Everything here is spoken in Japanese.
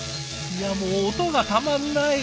いやもう音がたまんない！